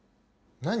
何？